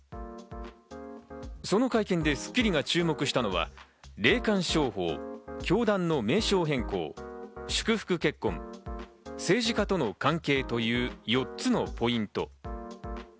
その会見で『スッキリ』が注目したのが、霊感商法、教団の名称変更、祝福結婚、政治家との関係という４つのポイント。